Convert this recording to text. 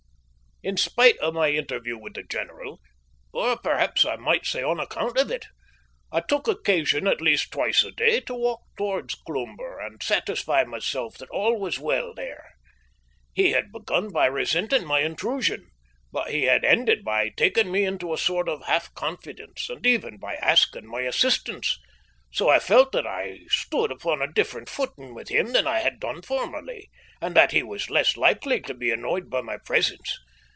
In spite of my interview with the general or perhaps I might say on account of it I took occasion at least twice a day to walk towards Cloomber and satisfy myself that all was well there. He had begun by resenting my intrusion, but he had ended by taking me into a sort of half confidence, and even by asking my assistance, so I felt that I stood upon a different footing with him than I had done formerly, and that he was less likely to be annoyed by my presence.